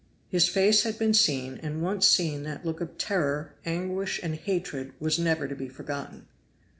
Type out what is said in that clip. His face had been seen, and once seen that look of terror, anguish and hatred was never to be forgotten.